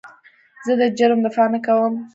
زه د جرم دفاع نه کوم.